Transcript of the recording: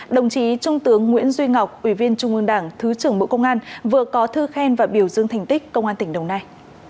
đồng chí trung tướng nguyễn duy ngọc ủy viên trung ương đảng thứ trưởng bộ công an vừa có thư khen và biểu dương thành tích công an tỉnh đồng nai